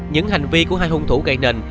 những hành vi của hai hùng thủ gây nên